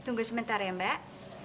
tunggu sebentar ya mbak